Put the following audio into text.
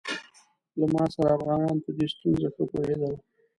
له ما سره افغانان په دې ستونزه ښه پوهېدل.